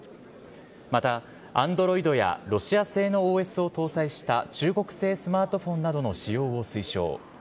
また、アンドロイドや、ロシア製のＯＳを搭載した中国製スマートフォンなどの使用を推奨。